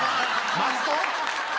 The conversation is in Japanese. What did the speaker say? マスト？